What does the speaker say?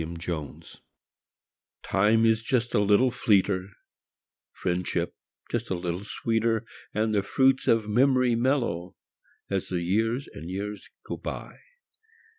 A597234 IME is "just a little fleeter; priendship just a little sweeter; And the jruits of memoru mellcrcO ' I As the Ljears and Ejears ao btj.